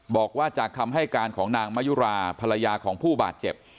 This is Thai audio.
บอกว่าจากคำให้การของนางมะยุราภรรยาของผู้บาดเจ็บ